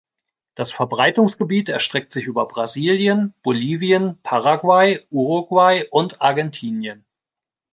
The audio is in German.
Das Verbreitungsgebiet erstreckt sich über Brasilien, Bolivien, Paraguay, Uruguay und Argentinien.